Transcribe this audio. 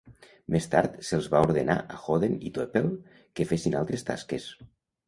Més tard se'ls va ordenar a Hoden i Toeppel que fessin altres tasques.